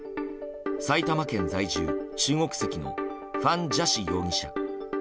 埼玉県在住中国籍のファン・ジャシ容疑者。